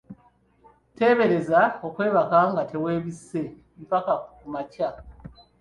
Teebereza okwebaka nga teweebisse mpaka ku makya!